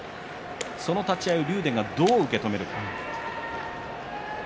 その立ち合いを竜電がどう受け止めるか。